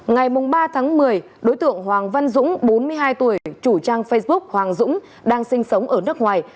ngày ba tháng một mươi đối tượng hoàng văn dũng bốn mươi hai tuổi chủ trang facebook hoàng dũng đang sinh sống ở nước ngoài